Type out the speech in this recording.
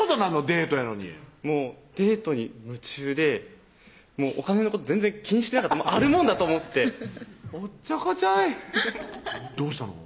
デートやのにもうデートに夢中でお金のこと全然気にしてなかったあるもんだと思っておっちょこちょいどうしたの？